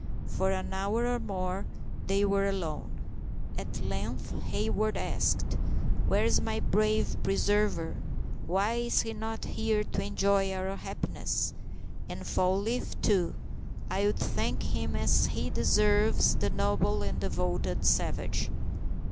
For an hour or more they were alone. At length Hayward asked: "Where is my brave preserver? Why is he not here to enjoy our happiness? And Fall leaf, too; I would thank him as he deserves, the noble and devoted savage."